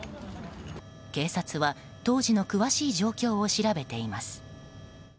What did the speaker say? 警察は当時の詳しい状況を調べています。